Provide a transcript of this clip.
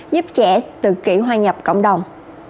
giúp trẻ tự kỷ hoài nhập cộng đồng